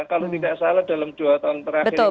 kalau tidak salah dalam dua tahun terakhir ini